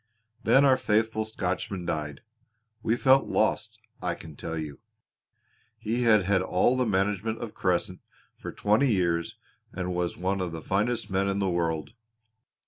Then our faithful Scotchman died. We felt lost, I can tell you! He had had all the management of Crescent for twenty years and was one of the finest men in the world.